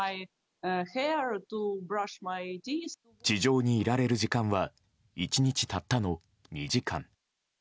地上にいられる時間は１日たったの２時間。